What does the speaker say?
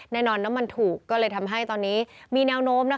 แน่นอนแล้วมันถูกก็เลยทำให้ตอนนี้มีแนวโน้มนะคะ